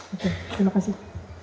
oke terima kasih